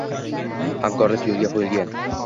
Hamkorlik yo'lga qo'yilgan